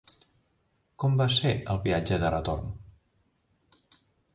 Com va ser el viatge de retorn?